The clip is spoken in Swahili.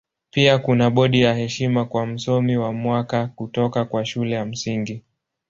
Pia kuna bodi ya heshima kwa Msomi wa Mwaka kutoka kwa Shule ya Msingi.